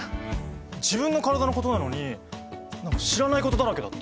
自分の体のことなのに知らないことだらけだった！